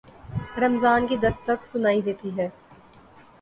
رمضان کی دستک سنائی دیتی ہے۔